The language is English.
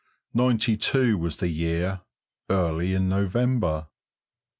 Ninety two was the year, early in November.